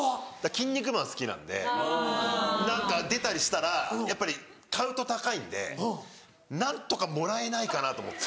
『キン肉マン』好きなんで何か出たりしたらやっぱり買うと高いんで何とかもらえないかなと思って。